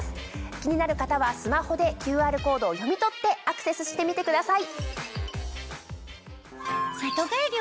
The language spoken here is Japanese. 気になる方はスマホでＱＲコードを読み取ってアクセスしてみてください。